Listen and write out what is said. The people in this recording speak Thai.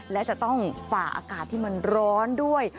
และจะต้องฝ่าอากาศที่มันร้อนด้วย